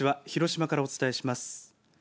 広島からお伝えします。